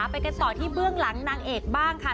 ไปกันต่อที่เบื้องหลังนางเอกบ้างค่ะ